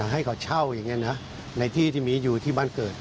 ให้เขาเช่าอย่างนี้นะในที่ที่มีอยู่ที่บ้านเกิด